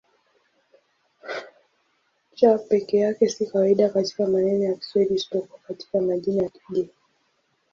C peke yake si kawaida katika maneno ya Kiswahili isipokuwa katika majina ya kigeni.